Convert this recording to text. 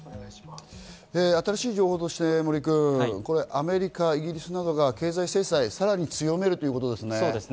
新しい情報としてアメリカ、イギリスなどが経済制裁、さらに強めるということですね。